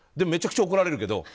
めちゃくちゃ怒られるけど。